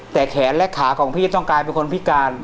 แต่แขนและขาของพี่ต้องกลายเป็นคนพิการ